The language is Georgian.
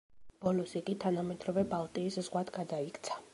ბოლოს იგი თანამედროვე ბალტიის ზღვად გადაიქცა.